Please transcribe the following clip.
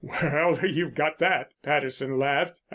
"Well, you've got all that," Patterson laughed.